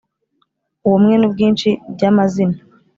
Ubumwe n’ubwinshi bya mazina